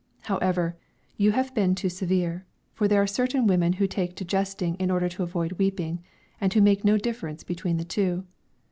However, you have been too severe, for there are certain women who take to jesting in order to avoid weeping, and who make no difference between the two.